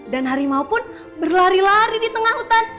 harimau pun berlari lari di tengah hutan